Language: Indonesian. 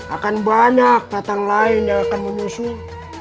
akan banyak tatang lain yang akan menyusul